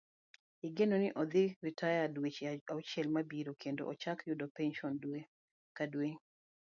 Igeno ni odhi ritaya dweche auchiel mabiro kendo ochak yudo penson dwe ka dwe.